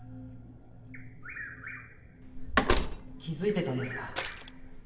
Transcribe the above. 気づいてたんですか？